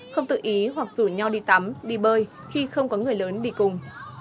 không tự ý hoặc rủ nhau đi tắm đi bơi khi không có người lớn đi cùng